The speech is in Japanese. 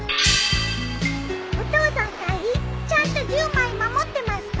・お父さん隊員ちゃんと１０枚守ってますか？